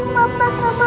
ibu mau sembah sama mama